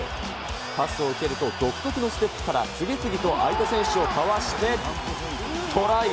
パスを受けると独特のステップから次々と相手選手をかわしてトライ。